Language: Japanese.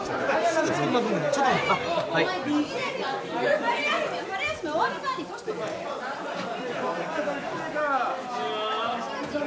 すぐ作りますんでねちょっと待っててください。